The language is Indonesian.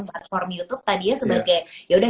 platform youtube tadinya sebagai ya udah